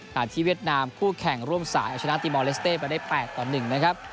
ที่เวียดนามคู่แข่งร่วมสายชนะตีมาเลสเต้ไปได้แปดต่อหนึ่งนะครับ